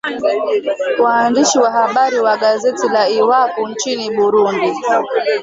waandishi wa habari wa gazeti la iwacu nchini burundi